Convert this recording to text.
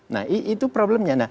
nah itu problemnya